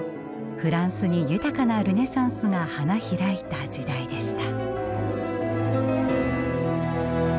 フランスに豊かなルネサンスが花開いた時代でした。